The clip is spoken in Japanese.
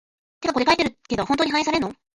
てかこれ書いてるけど、本当に反映されんの？